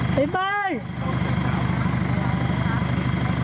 ไปบ้าน